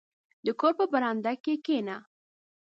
• د کور په برنډه کښېنه.